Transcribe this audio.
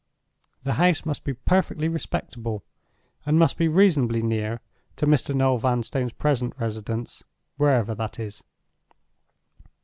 The house must be perfectly respectable, and must be reasonably near to Mr. Noel Vanstone's present residence, wherever that is.